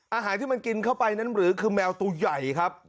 อาหารที่มันกินเข้าไปนั้นหรือคือแมวตัวใหญ่ครับ